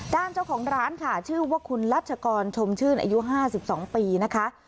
ด้านเจ้าของร้านค่ะชื่อว่าคุณรัชกรชมชื่นอายุ๕๒ปีนะคะ